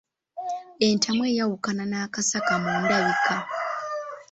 Entamu eyawukana n'akasaka mu ndabika.